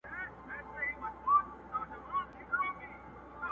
له حملې سره ملگری یې غړومبی سو،